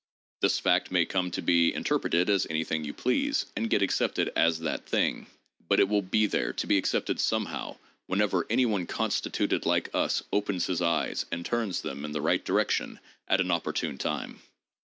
... This fact may come to be in terpreted as anything you please, and get accepted as that thing; but it will be there to be accepted somehow whenever any one con stituted like us opens his eyes and turns them in the right direction at an opportune time.